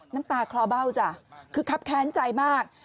น้ำตาคลอเบ้าจ้ะคือครับแค้นใจมาก